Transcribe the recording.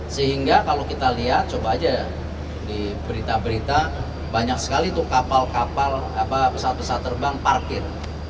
sehingga kalau kita lihat coba aja di berita berita banyak sekali tuh kapal kapal pesawat pesawat terbang parkir